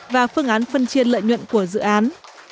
và phương án phân chia lợi nhuận của dự án